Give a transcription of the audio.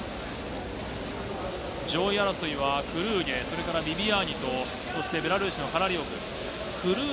上位争いはクルーゲ、それからビビアーニと、そしてベラルーシのカラリオク。